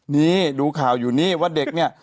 นี่ดูข่าวอยู่นี่ว่าเด็กเนี่ย